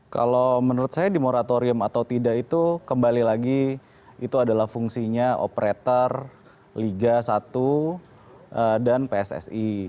kalau menurut saya di moratorium atau tidak itu kembali lagi itu adalah fungsinya operator liga satu dan pssi